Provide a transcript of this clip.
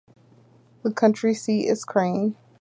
The county seat is Crane.